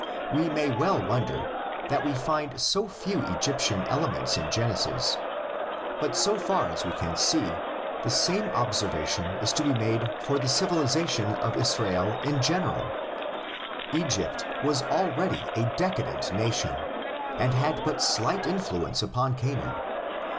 We may well wonder that we find so few Egyptian elements in Genesis, but so far as we can see the same observation is to be made for the civilisation of Israel in general: Egypt was already a decadent nation and had but slight influence upon Canaan.